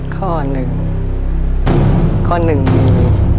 ข้อหนึ่งข้อหนึ่งมี